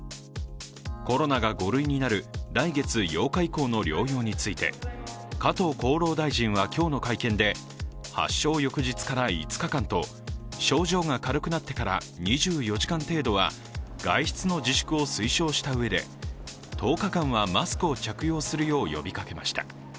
コロナが５類になる来月８日以降の療養について加藤厚労大臣は今日の会見で発症翌日から５日間と症状が軽くなってから２４時間程度は外出の自粛を推奨したうえで１０日間はマスクを着用するよう呼びかけました。